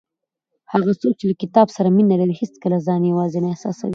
هغه څوک چې له کتاب سره مینه لري هیڅکله ځان یوازې نه احساسوي.